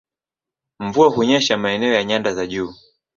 Mvua hunyesha maeneo ya nyanda za juu